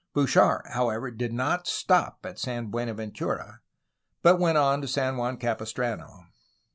Bouchard, however, did not stop at San Buenaventura, but went on to San Juan Capistrano.